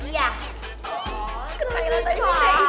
ya sebatas begini